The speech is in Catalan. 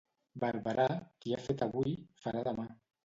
Barberà, qui ha fet avui, farà demà.